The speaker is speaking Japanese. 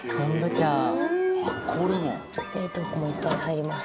井上：冷凍庫もいっぱい入ります。